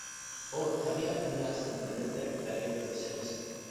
بۇ، تەبىئەت دۇنياسىنىڭ مىللەتلەرگە بەرگەن كۆرسەتمىسى.